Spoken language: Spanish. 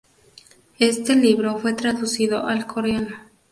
Este libro fue traducido al coreano.